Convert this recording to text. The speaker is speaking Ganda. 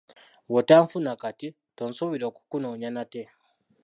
Bw’otanfuna kati, tonsuubira okukunoonya nate.